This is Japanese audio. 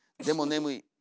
でも眠い。